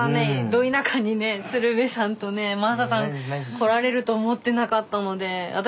ど田舎にね鶴瓶さんとね真麻さん来られると思ってなかったので私